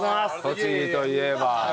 栃木といえば。